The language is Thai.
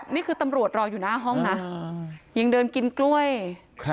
นี่คือตำรวจรออยู่หน้าห้องนะยังเดินกินกล้วยครับ